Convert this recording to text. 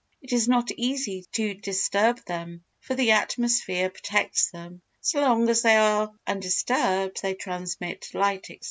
It is not easy to disturb them, for the atmosphere protects them. So long as they are undisturbed they transmit light, etc.